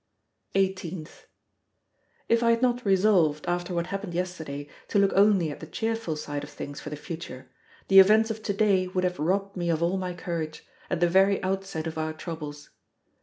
18th. If I had not resolved, after what happened yesterday, to look only at the cheerful side of things for the future, the events of to day would have robbed me of all my courage, at the very outset of our troubles.